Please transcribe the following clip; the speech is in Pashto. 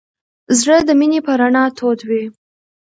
زړه د مینې په رڼا تود وي.